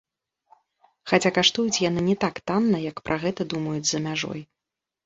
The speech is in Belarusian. Хаця каштуюць яны не так танна, як пра гэта думаюць за мяжой.